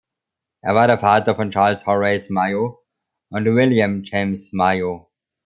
Er war der Vater von Charles Horace Mayo und William James Mayo.